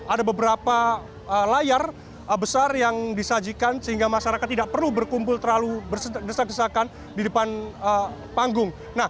ada beberapa layar besar yang disajikan sehingga masyarakat tidak perlu berkumpul terlalu berdesak desakan di depan panggung